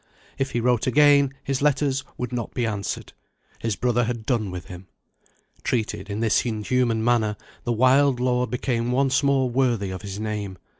If he wrote again his letters would not be answered; his brother had done with him. Treated in this inhuman manner, the wild lord became once more worthy of his name.